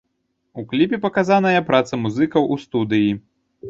У кліпе паказаная праца музыкаў у студыі.